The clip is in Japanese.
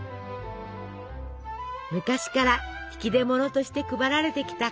昔から引き出物として配られてきたコンフェッティ。